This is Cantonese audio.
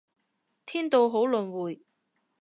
天道好輪迴